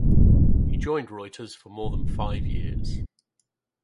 He joined Reuters for more than five years.